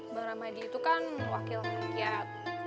bang ramadi itu kan wakil rakyat